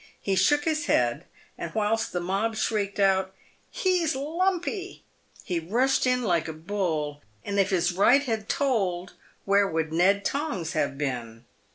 He shook his head, and whilst the mob shrieked out " He's lumpy !" he rushed in like a bull, and if his right had told, where would Ned Tongs have been